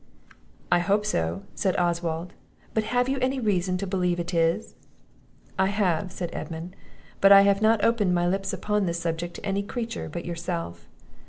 "I hope so," said Oswald; "but have you any reason to believe it is?" "I have," said Edmund; "but I have not opened my lips upon this subject to any creature but yourself.